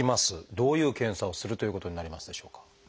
どういう検査をするということになりますでしょうか？